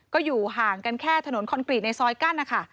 ก็อยู่ห่างกันแค่ถนนคอนกรีตในซอยกั้นนะคะ